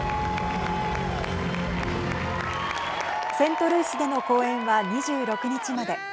セントルイスでの公演は２６日まで。